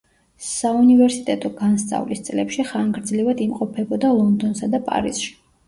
საუნივერსიტეტო განსწავლის წლებში ხანგრძლივად იმყოფებოდა ლონდონსა და პარიზში.